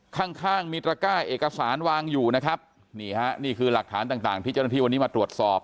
ข้างข้างมีตระก้าเอกสารวางอยู่นะครับนี่ฮะนี่คือหลักฐานต่างต่างที่เจ้าหน้าที่วันนี้มาตรวจสอบ